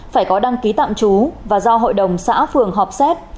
phải có đăng ký tạm trú và do hội đồng xã phường họp xét